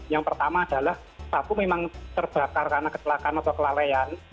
yang pertama adalah satu memang terbakar karena ketelakan atau kelalean